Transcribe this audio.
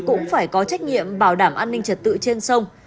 cũng phải có trách nhiệm bảo đảm an ninh trật tự trên sông